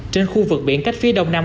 trên khu vực biển cách phía đông nam